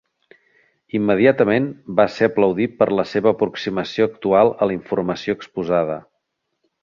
Immediatament va ser aplaudit per la seva aproximació actual a la informació exposada.